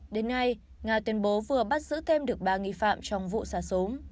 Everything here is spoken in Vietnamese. đến nay nga tuyên bố vừa bắt giữ thêm được ba nghi phạm trong vụ xả súng